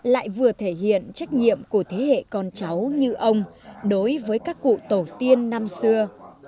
lại vừa thể hiện trách nhiệm của thế hệ con cháu như ông đối với các cụ tổ tiên năm xưa